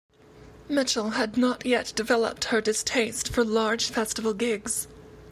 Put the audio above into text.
Mitchell had not yet developed her distaste for large festival gigs.